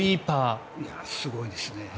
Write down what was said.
すごいですね。